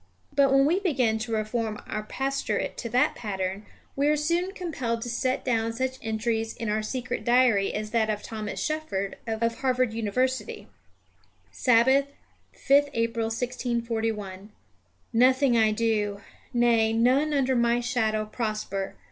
But when we begin to reform our pastorate to that pattern, we are soon compelled to set down such entries in our secret diary as that of Thomas Shepard of Harvard University: "Sabbath, 5th April 1641. Nothing I do, nay, none under my shadow prosper.